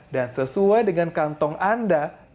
dan sesuai dengan kantong anda